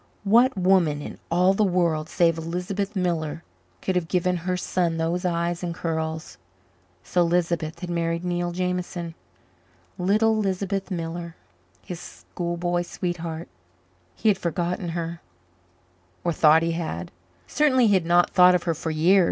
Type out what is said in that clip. What woman in all the world save Lisbeth Miller could have given her son those eyes and curls? So Lisbeth had married Neil Jameson little Lisbeth Miller, his schoolboy sweetheart. He had forgotten her or thought he had; certainly he had not thought of her for years.